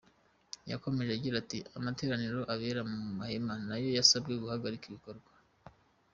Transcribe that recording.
Yakomeje agira ati “Amateraniro abera mu mahema nayo yasabwe guhagarika ibikorwa.